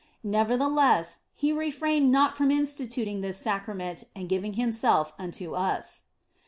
Nevertheless, He refrained not from instituting this Sacrament and giving Himself unto us.